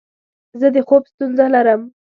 زه د خوب ستونزه لرم.